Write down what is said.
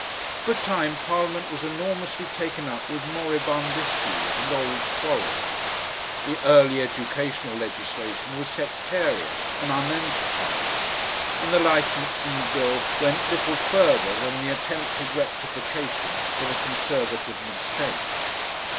For a time Parliament was enormously taken up with moribund issues and old quarrels. The early Educational legislation was sectarian and unenterprising, and the Licensing Bill went little further than the attempted rectification of a Conservative mistake.